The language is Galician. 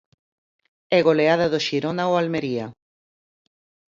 E goleada do Xirona ao Almería.